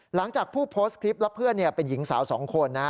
หลังจากผู้โพสต์คลิปและเพื่อนเป็นหญิงสาว๒คน